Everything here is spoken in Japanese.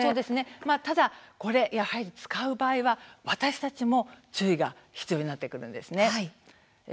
ただ、これ使う場合は私たちも注意が必要になってくるんです。